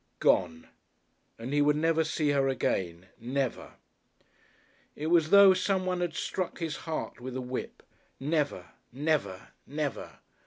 Gone! And he would never see her again never! It was as though someone had struck his heart with a whip. Never! Never! Never!